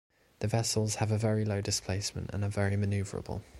The vessels have a very low displacement and are very maneuverable.